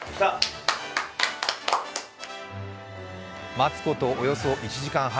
待つことおよそ１時間半。